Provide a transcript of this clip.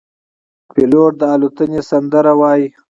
پیلوټ د الوتنې سندره وايي.